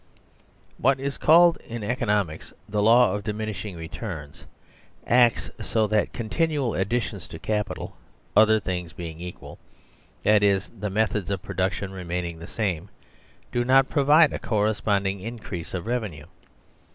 What is called in economics " The Law of Diminishing 146 MAKING FOR SERVILE STATE Returns " acts so that continual additions to capital, other things being equal (that is, the methods of production re maining the same), do not provide a corresponding increase of revenue.